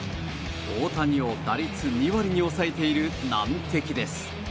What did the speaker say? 大谷を打率２割に抑えている難敵です。